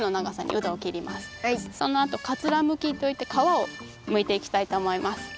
そのあとかつらむきといってかわをむいていきたいとおもいます。